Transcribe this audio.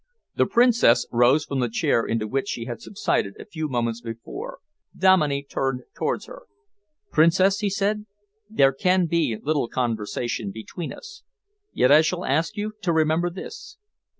The Princess rose from the chair into which she had subsided a few moments before. Dominey turned towards her. "Princess," he said, "there can be little conversation between us. Yet I shall ask you to remember this.